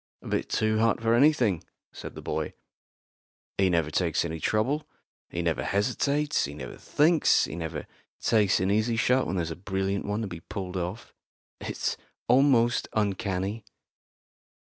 "A bit too hot for anything," said the boy. "He never takes any trouble; he never hesitates; he never thinks; he never takes an easy shot when there's a brilliant one to be pulled off. It's almost uncanny."